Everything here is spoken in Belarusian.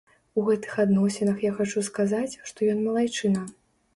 У гэтых адносінах я хачу сказаць, што ён малайчына.